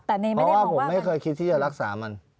เพราะว่าผมไม่เคยคิดที่จะรักษามัน